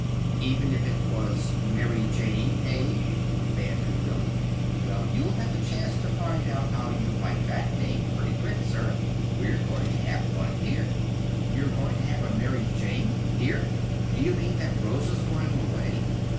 "Even if 'twas 'Mary Jane,' eh?" bantered Billy. "Well, you'll have a chance to find out how you like that name pretty quick, sir. We're going to have one here." "You're going to have a Mary Jane here? Do you mean that Rosa's going away?"